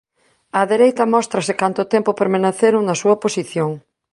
Á dereita móstrase canto tempo permaneceron na súa posición.